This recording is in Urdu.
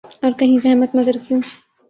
اور کہیں زحمت ، مگر کیوں ۔